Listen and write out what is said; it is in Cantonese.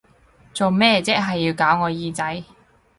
做咩啫，係要搞我耳仔！